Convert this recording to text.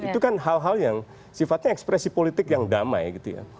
itu kan hal hal yang sifatnya ekspresi politik yang damai gitu ya